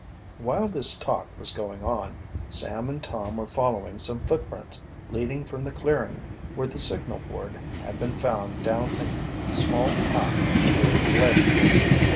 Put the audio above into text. While this talk was going on Sam and Tom were following some footprints leading from the clearing where the signal board had been found down a small path toward the lake.